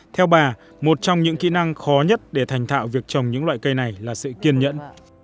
theo bà một trong những kỹ năng khó nhất để thành thạo việc trồng những loại cây này là sự kiên nhẫn